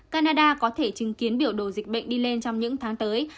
canada có thể chứng kiến biểu đồ dịch bệnh đi lên trong những tháng tới